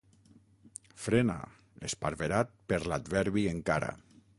Frena, esparverat per l'adverbi encara.